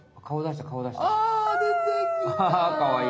あかわいい。